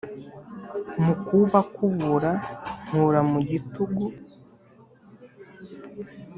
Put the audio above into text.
Mu kuwukabura nkura mugitugu